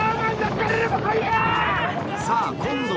さあ今度